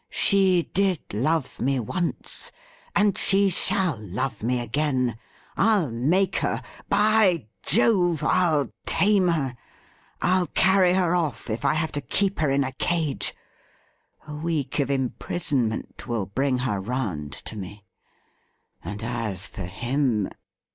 * She did love me once, and she shall love me again. I'll make her ; by Jove ! I'll tame her. I'll carry her off if I have to keep her in a cage. A week of imprisonment will bring her round to me. And as for him